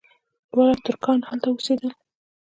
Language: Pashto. دواړه ترکان هلته اوسېدل.